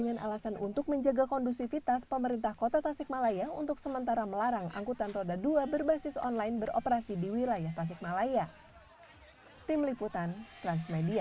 dengan alasan untuk menjaga kondusivitas pemerintah kota tasikmalaya untuk sementara melarang angkutan roda dua berbasis online beroperasi di wilayah tasikmalaya